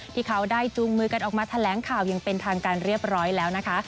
ที่เขาได้จูงมือกันออกมาแถลงข่าวอย่างเป็นทางการเรียบร้อยแล้วนะคะ